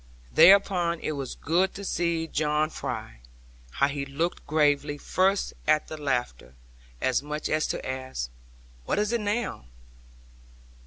Thereupon it was good to see John Fry; how he looked gravely first at the laughter, as much as to ask, 'What is it now?'